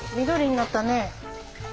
緑になったね。